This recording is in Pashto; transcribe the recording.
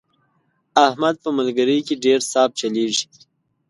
احمد په ملګرۍ کې ډېر صاف چلېږي.